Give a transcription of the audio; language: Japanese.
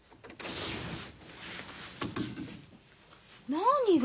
何が？